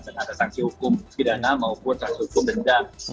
dan ada sanksi hukum pidana maupun sanksi hukum benda